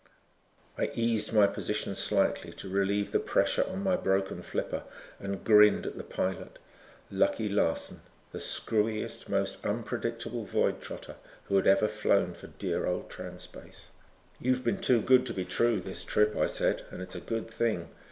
I eased my position slightly to relieve the pressure on my broken flipper and grinned at the pilot, Lucky Larson, the screwiest, most unpredictable void trotter who had ever flown for dear old Trans Space. "You've been too good to be true this trip," I said, "and it's a good thing.